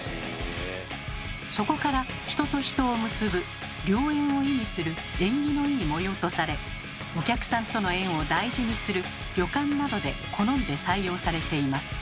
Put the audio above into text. そこから「人と人を結ぶ」良縁を意味する縁起のいい模様とされお客さんとの縁を大事にする旅館などで好んで採用されています。